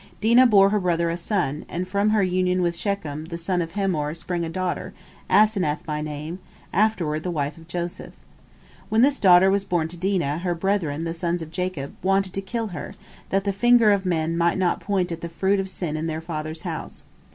Dinah bore her brother a son, and from her union with Shechem, the son of Hamor, sprang a daughter, Asenath by name, afterward the wife of Joseph. When this daughter was born to Dinah, her brethren, the sons of Jacob, wanted to kill her, that the finger of men might not point at the fruit of sin in their father's house.